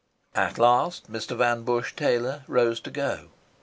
At last Mr. Van Busche Taylor rose to go.